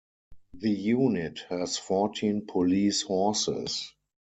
The unit has fourteen police horses.